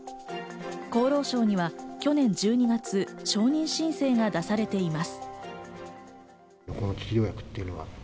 厚労省には去年１２月、承認申請が出されています。